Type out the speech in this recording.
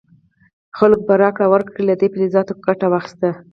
خلکو په راکړه ورکړه کې له دې فلزاتو ګټه واخیسته.